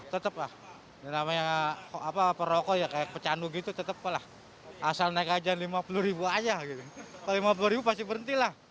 tetap lah yang namanya perokok ya kayak pecandu gitu tetaplah asal naik aja lima puluh ribu aja gitu kalau lima puluh ribu pasti berhenti lah